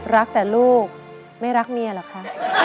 รักแต่ลูกไม่รักเมียหรอกค่ะ